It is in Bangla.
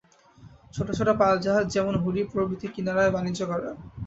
ছোট ছোট পাল-জাহাজ, যেমন হুড়ি প্রভৃতি, কিনারায় বাণিজ্য করে।